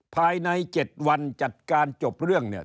ภายใน๗วันจัดการจบเรื่องเนี่ย